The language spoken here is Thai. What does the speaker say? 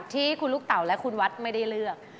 ที่คุณลูกเต่าและคุณวัดไม่ได้เลือก